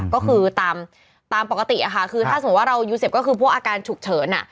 ก็คือตามปกติค่ะคือถ้าสมมุติว่าเรายูเซฟก็คือพวกอาการฉุกเฉิน